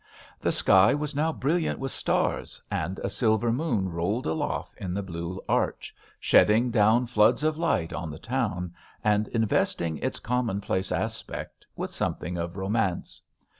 The sky was now brilliant with stars, and a silver moon rolled aloft in the blue arch, shedding down floods of light on the town, and investing its commonplace aspect with something of romance.